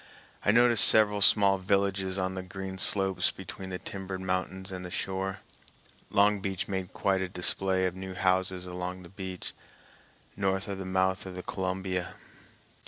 I noticed several small villages on the green slopes between the timbered mountains and the shore. Long Beach made quite a display of new houses along the beach, north of the mouth of the Columbia.